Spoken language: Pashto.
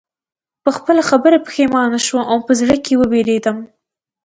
په خپله خبره پښېمانه شوم او په زړه کې ووېرېدم